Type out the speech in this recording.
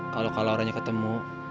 kalo kak lauranya ketemu